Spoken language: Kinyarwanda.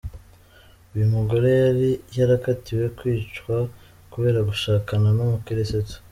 Uyu mugore yari yarakatiwe kwicwa kubera gushakana n’Umukirisitu.